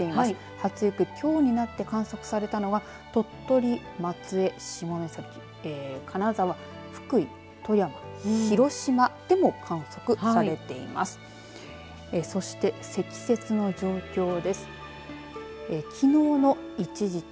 初雪、きょうになって観測されたのは鳥取松江、下関金沢、福井、富山広島でも観測されています。